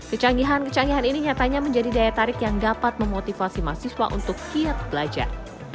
kecanggihan kecanggihan ini nyatanya menjadi daya tarik yang dapat memotivasi mahasiswa untuk kiat belajar